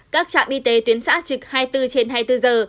các trạm y tế tuyến xã trực hai mươi bốn trên hai mươi bốn giờ